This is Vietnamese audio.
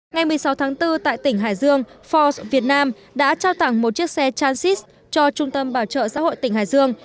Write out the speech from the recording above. ngày một mươi sáu tháng bốn tại tỉnh hải dương forbes việt nam đã trao tặng một chiếc xe transis cho trung tâm bảo trợ xã hội tỉnh hải dương